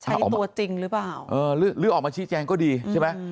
ตัวจริงหรือเปล่าเออหรือออกมาชี้แจงก็ดีใช่ไหม